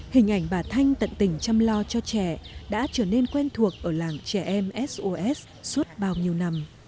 hình ảnh bà thanh tận tình chăm lo cho trẻ đã trở nên quen thuộc ở làng trẻ em sos suốt bao nhiêu năm